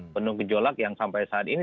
penuh gejolak yang sampai saat ini